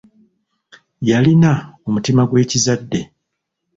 Yalina omutima gw'ekizadde.